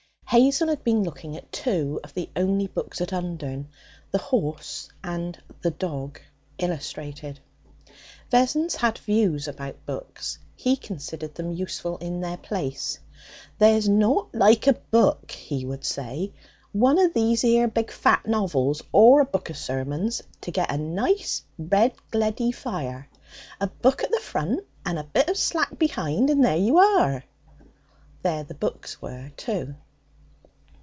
Hazel had been looking at two of the only books at Undern 'The Horse' and 'The Dog,' illustrated. Vessons had views about books. He considered them useful in their place. 'There's nought like a book,' he would say, 'one of these 'ere big fat novels or a book of sermons, to get a nice red gledy fire. A book at the front and a bit of slack behind, and there you are!' There the books were, too.